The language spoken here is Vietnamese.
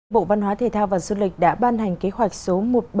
bộ văn hóa thể thao và du lịch đã ban hành kế hoạch số một nghìn bảy trăm bốn mươi chín